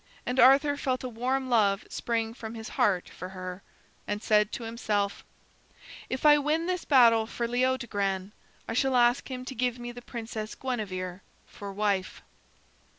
And Arthur felt a warm love spring from his heart for her, and said to himself: "If I win this battle for Leodogran, I shall ask him to give me the princess Guinevere for wife."